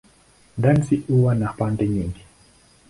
Dansi huwa na pande nyingi.